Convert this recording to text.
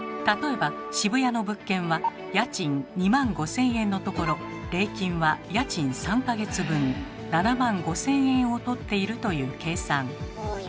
例えば渋谷の物件は家賃２万５，０００円のところ礼金は家賃３か月分７万５，０００円を取っているという計算。